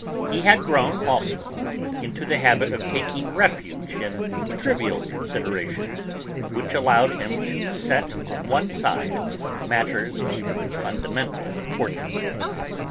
He had grown also into the habit of taking refuge in trivial considerations, which allowed him to set on one side matters of fundamental importance.